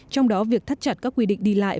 trong đó việc thắt chặt các quy định đi lại